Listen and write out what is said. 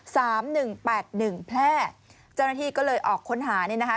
หนึ่งแปดหนึ่งแพร่เจ้าหน้าที่ก็เลยออกค้นหานี่นะคะ